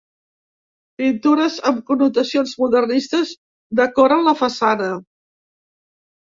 Pintures amb connotacions modernistes decoren la façana.